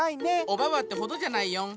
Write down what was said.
オババってほどじゃないよん。